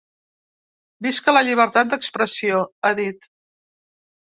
Visca la llibertat d’expressió!, ha dit.